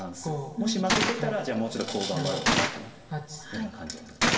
もし負けてたらじゃあもうちょっとコウを頑張ろうかなというような感じだと思います。